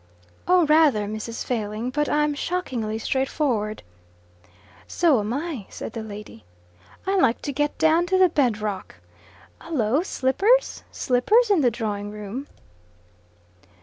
"Oh, rather, Mrs. Failing. But I'm shockingly straightforward." "So am I," said the lady. "I like to get down to the bedrock. Hullo! Slippers? Slippers in the drawingroom?"